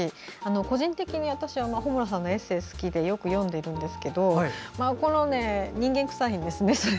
個人的に、私は穂村さんのエッセーが好きでよく読んでいるんですけど人間くさいんですね。